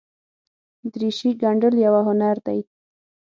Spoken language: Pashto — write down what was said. دریشي ګنډل یوه هنر دی.